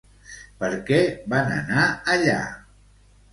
Per què van anar allà?